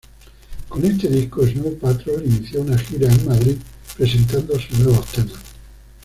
Con este disco Snow Patrol inició una gira en Madrid presentando sus nuevos temas.